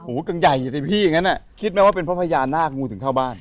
อ๋อใส่งูเก่งใหญ่อย่างนี้ไงพี่นั่นคิดมั้ยว่าเป็นพระพญานาคงูถึงเข้าบ้าน